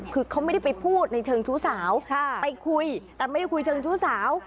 คือเขาไม่ได้ไปพูดในเชิงชู้สาวไปคุยแต่ไม่ได้คุยเชิงชู้สาว